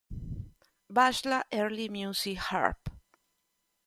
Bachelor Early Music Harp